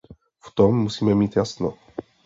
V tom musíme mít jasno.